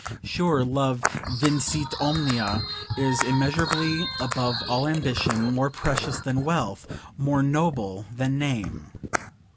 Sure, love vincit omnia; is immeasurably above all ambition, more precious than wealth, more noble than name.